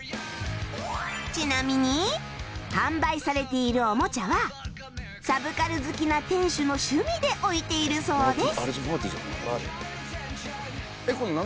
ちなみに販売されているおもちゃはサブカル好きな店主の趣味で置いているそうです